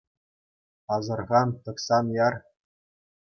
Асӑрхан, тӑкса ан яр.